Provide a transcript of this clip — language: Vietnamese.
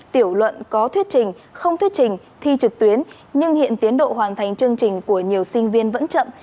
tiểu luận có thuyết trình không thuyết trình thi trực tuyến nhưng hiện tiến độ hoàn thành chương trình của nhiều sinh viên vẫn chậm